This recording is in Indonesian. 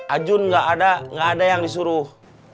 ajun nggak ada nggak ada yang disuruh